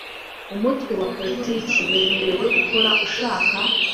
Umutwe wa Politiki wemerewe gukora ushaka